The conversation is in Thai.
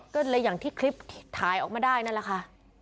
ก็เลยอย่างที่คลิปถ่ายออกมาได้นั่นแหละค่ะ